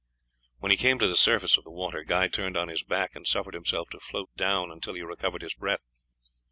When he came to the surface of the water Guy turned on his back and suffered himself to float down until he recovered his breath.